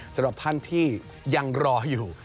สำหรับท่านที่ยังรออยู่